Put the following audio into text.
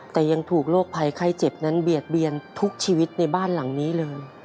แต่ยังถูกโรคภัยไข้เจ็บนั้นเบียดเบียนทุกชีวิตในบ้านหลังนี้เลย